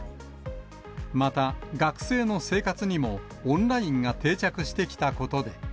また、学生の生活にもオンラインが定着してきたことで。